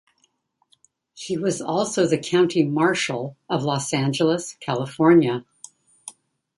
He also was the County Marshal of Los Angeles, California.